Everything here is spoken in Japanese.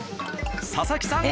佐々木さん